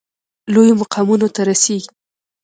لویو مقامونو ته رسیږي.